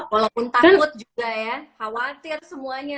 walaupun takut juga ya khawatir semuanya